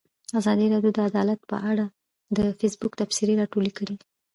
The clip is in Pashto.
ازادي راډیو د عدالت په اړه د فیسبوک تبصرې راټولې کړي.